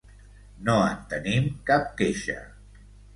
No en tenim cap queixa.